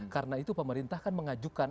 karena itu pemerintah kan mengajukan